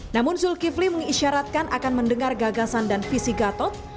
namun zulkifli mengisyaratkan akan mendengar gagasan dan visi gatot